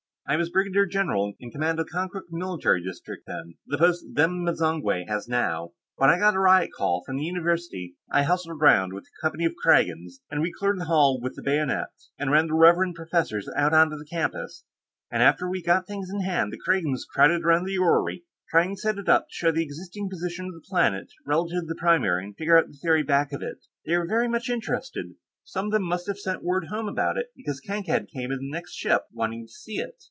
"I was brigadier general, in command of Konkrook military district, then the post Them M'zangwe has now. When I got a riot call from the University, I hustled around with a company of Kragans, and we cleared the hall with the bayonet and ran the reverend professors out onto the campus, and after we got things in hand, the Kragans crowded around the orrery, trying to set it up to show the existing position of the planet relative to the primary and figure out the theory back of it. They were very much interested; some of them must have sent word home about it, because Kankad came in on the next ship, wanting to see it.